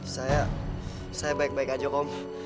saya baik baik aja om